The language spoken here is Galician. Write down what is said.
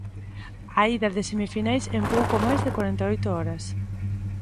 A ida de semifinais en pouco máis de corenta e oito horas.